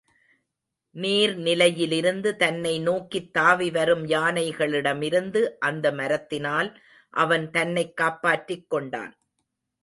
நீர்நிலையிலிருந்து தன்னை நோக்கித் தாவி வரும் யானைகளிடமிருந்து அந்த மரத்தினால் அவன் தன்னைக் காப்பாற்றிக் கொண்டான்.